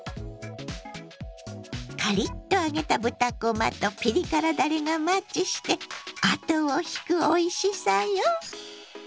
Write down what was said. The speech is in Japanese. カリッと揚げた豚こまとピリ辛だれがマッチして後を引くおいしさよ。